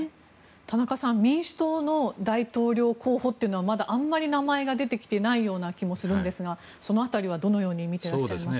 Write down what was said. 田中さん民主党の大統領候補というのはまだ、あまり名前が出てきていない気もするんですがその辺りは、どのように見ていらっしゃいますか？